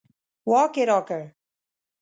واک یې راکړ.